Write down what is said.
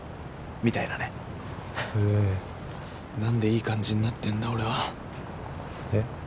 みたいなねへえ何でいい感じになってんだ俺はえっ？